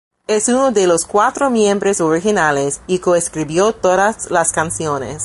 Es uno de los cuatro miembros originales, y co-escribió todas las canciones.